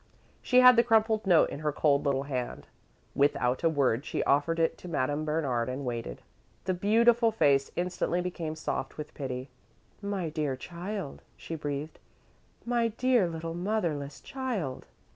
She had the crumpled note in her cold little hand. Without a word, she offered it to Madame Bernard and waited. The beautiful face instantly became soft with pity. "My dear child," she breathed. "My dear little motherless child!"